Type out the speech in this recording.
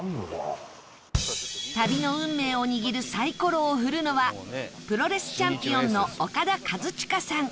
旅の運命を握るサイコロを振るのはプロレスチャンピオンのオカダ・カズチカさん